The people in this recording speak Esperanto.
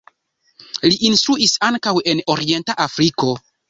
Li instruis ankaŭ en Orienta Afriko.